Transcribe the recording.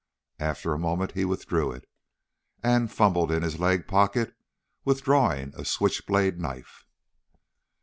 After a moment he withdrew it, and fumbled in his leg pocket withdrawing a switchblade knife.